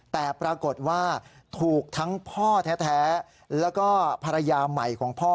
แต่ปรากฏว่าถูกทั้งพ่อแท้แล้วก็ภรรยาใหม่ของพ่อ